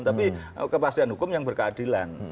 tapi kepastian hukum yang berkeadilan